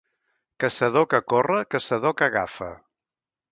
Caçador que corre, caçador que agafa.